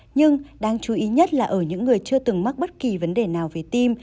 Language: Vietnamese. nhưng đáng chú ý nhất là ở những người chưa từng mắc bất kỳ vấn đề nào về tim